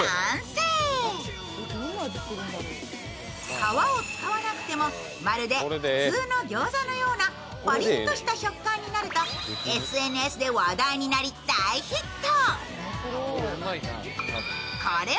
皮を使わなくてもまるで普通の餃子のようなパリッとした食感になると、ＳＮＳで話題になり大ヒット。